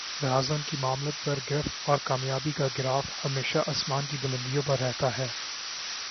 لہذا انکی معاملات پر گرفت اور کامیابی کا گراف ہمیشہ آسمان کی بلندیوں پر رہتا ہے